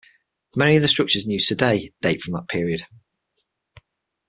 Many of the structures in use today date from that period.